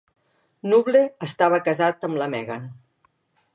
Knuble estava casat amb la Megan.